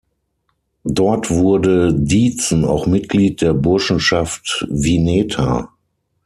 Dort wurde Ditzen auch Mitglied der Burschenschaft Vineta.